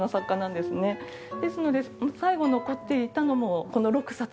ですので最後残っていたのもこの６冊。